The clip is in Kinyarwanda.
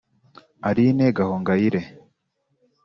Aline Gahongayire